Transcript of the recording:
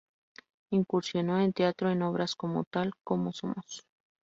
Incursionó en teatro en obras como "¡Tal como somos!